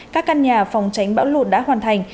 các căn nhà phòng tránh bão lụt đã hoàn thành